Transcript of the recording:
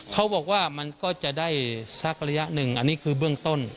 เขาบอกว่ามันก็จะได้สักระยะหนึ่งอันนี้คือเบื้องต้น